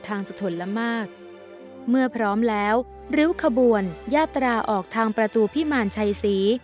ทางสถนละมากเมื่อพร้อมแล้วริ้วคบวรญาตราออกทางประตูพิมานไฉสี